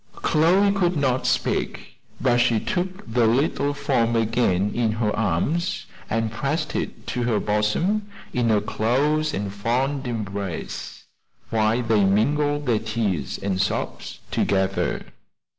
Chloe could not speak, but she took the little form again in her arms, and pressed it to her bosom in a close and fond embrace, while they mingled their tears and sobs together.